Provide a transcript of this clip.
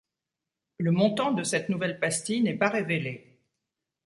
Le montant de cette nouvelle pastille n'est pas révélé.